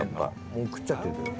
もう食っちゃってるけど。